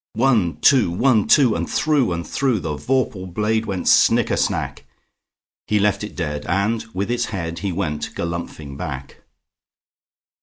One, two! One, two! And through and throughThe vorpal blade went snicker snack! He left it dead, and with its headHe went galumphing back.